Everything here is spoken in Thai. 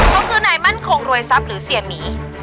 เขาคือนายมั่นคงรวยทรัพย์หรือเสียหมี